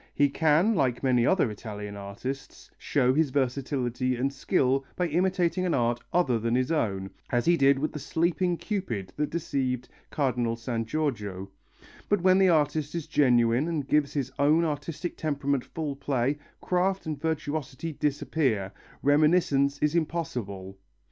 He can, like many another Italian artist, show his versatility and skill by imitating an art other than his own, as he did with the Sleeping Cupid that deceived Cardinal San Giorgio, but when the artist is genuine and gives his own artistic temperament full play, craft and virtuosity disappear, reminiscence is impossible.